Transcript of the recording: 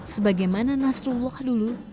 sebagaimana nasrullah dulu